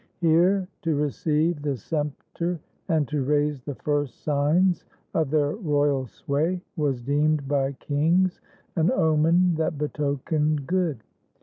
Here, to receive the sceptre and to raise The first signs of their royal sway, was deemed By kings an omen that betokened good.